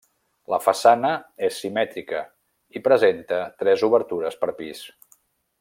La façana és simètrica i presenta tres obertures per pis.